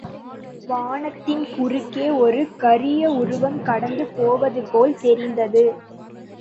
வானத்தின் குறுக்கே ஒரு கரிய உருவம் கடந்து போவதுபோல் தெரிந்தது.